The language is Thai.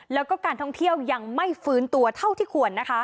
แล้วก็การท่องเที่ยวยังไม่ฟื้นตัวเท่าที่ควร